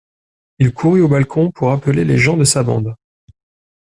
Et il courut au balcon pour appeler les gens de sa bande.